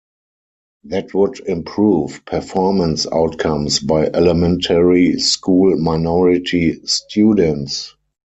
That would improve performance outcomes by elementary school minority students.